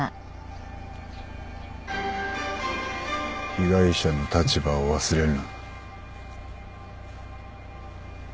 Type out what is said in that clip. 被害者の立場を忘れるな。